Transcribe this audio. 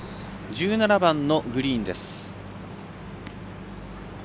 １７番のグリーンです。